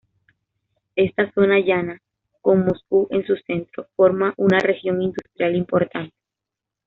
Esta zona llana, con Moscú en su centro, forma una región industrial importante.